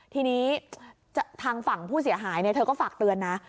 ทีนี้ทางฝั่งผู้เสียหายเธอก็ฝากเตือนนะ